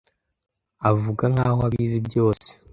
Avuga nkaho abizi byose.